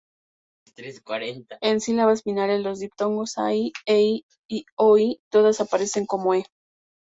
En sílabas finales, los diptongos "ai", "ei" y "oi", todos aparecen como "e".